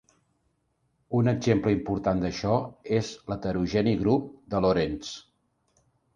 Un exemple important d'això és l'heterogeni grup de Lorentz.